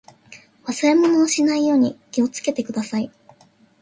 忘れ物をしないように気をつけてください。